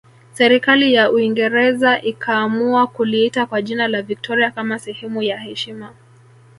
Serikali ya Uingereza ikaamua kuliita kwa jina la Victoria kama sehemu ya heshima